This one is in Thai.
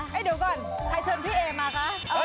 ให้เดี๋ยวก่อนใครเชิญพี่เอมาคะ